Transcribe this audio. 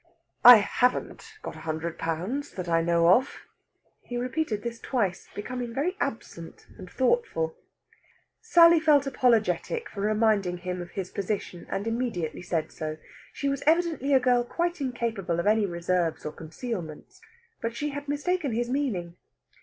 I haven't got a hundred pounds, that I know of." He repeated this twice, becoming very absent and thoughtful. Sally felt apologetic for reminding him of his position, and immediately said so. She was evidently a girl quite incapable of any reserves or concealments. But she had mistaken his meaning.